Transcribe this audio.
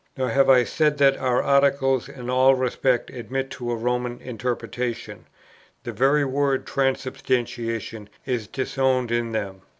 Nor have I said that our Articles in all respects admit of a Roman interpretation; the very word 'Transubstantiation' is disowned in them.